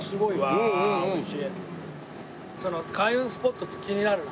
その開運スポットって気になるな。